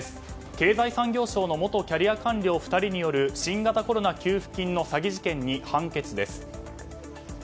経済産業省の元キャリア官僚２人による新型コロナ給付金の詐欺事件に判決です。